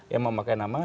yang memakai nama